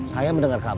saya mendengar kabar